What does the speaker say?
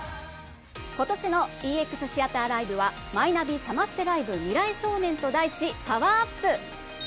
今年のＥＸＴＨＥＡＴＥＲライブは「マイナビサマステライブ未来少年」と題しパワーアップ。